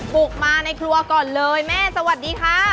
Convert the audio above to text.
บุกมาในครัวก่อนเลยแม่สวัสดีค่ะ